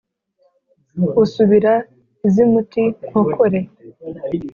Usubira iz'i Muti-nkokore,